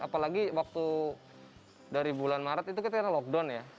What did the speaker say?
apalagi waktu dari bulan maret itu kita lockdown ya